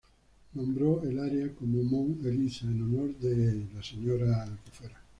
Nombró el área como Mount Eliza en honor de Mrs.